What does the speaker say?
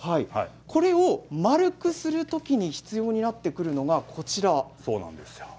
これを丸くするときに必要になってくるのがこちらなんですね。